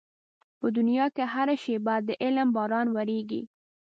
په دنيا کې هره شېبه د علم باران ورېږي.